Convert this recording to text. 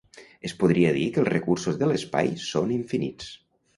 Es podria dir que els recursos de l'espai són infinits.